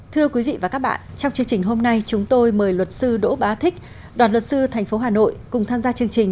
thưa quý vị và các bạn trong chương trình hôm nay chúng tôi mời luật sư đỗ bá thích đoàn luật sư tp hà nội cùng tham gia chương trình